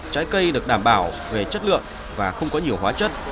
trái cây được đảm bảo về chất lượng và không có nhiều hóa chất